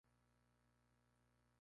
Es un pez de agua dulce y demersal.